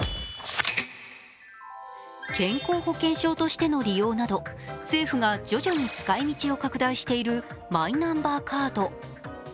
健康保険証としての利用など政府が徐々に使いみちを拡大しているマイナンバーカード。